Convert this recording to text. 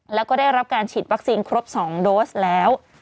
แล้วก็ได้รับการฉีดวัคซีนครบ๒โดสแล้ว